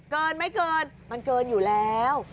เกินไม่เกินมันเกินอยู่แล้ว